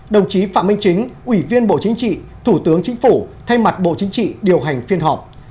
đồng chí phạm minh chính ủy viên bộ chính trị thủ tướng chính phủ thay mặt bộ chính trị điều hành phiên họp